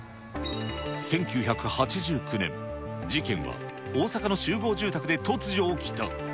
１９８９年、事件は大阪の集合住宅で突如起きた。